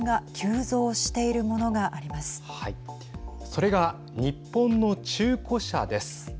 それが日本の中古車です。